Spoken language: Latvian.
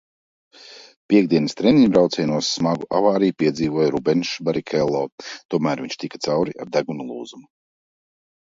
Piektdienas treniņbraucienos smagu avāriju piedzīvoja Rubenšs Barikello, tomēr viņš tika cauri ar deguna lūzumu.